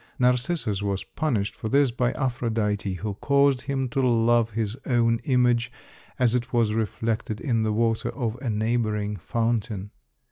Narcissus was punished for this by Aphrodite, who caused him to love his own image as it was reflected in the water of a neighboring fountain.